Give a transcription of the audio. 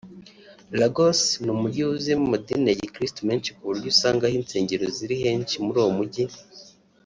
Lagos ni umujyi wuzuyemo amadini ya gikiristo menshi ku buryo usanga aho insengero ziri henshi muri uwo mujyi